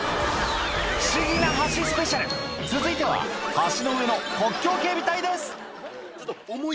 不思議な橋スペシャル続いては橋の上の国境警備隊です